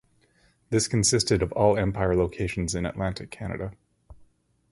This consisted of all Empire locations in Atlantic Canada.